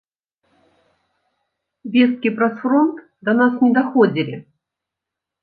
Весткі праз фронт да нас не даходзілі.